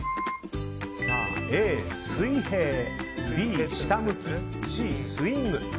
Ａ、水平Ｂ、下向きＣ、スイング。